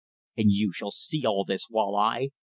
"And you shall see all this, while, I